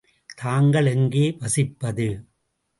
தாங்கள் எங்கே வசிப்பது?